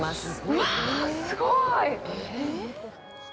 うわ、すごい！